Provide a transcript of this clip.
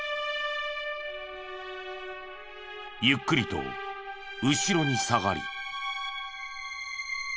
ゆっくりと後ろに下がり。